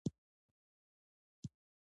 افغانستان په نړۍ کې د زراعت لپاره مشهور دی.